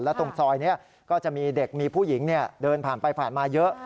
ตรงซอยนี้ก็จะมีเด็กมีผู้หญิงเดินผ่านไปผ่านมาเยอะ